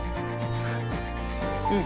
うん。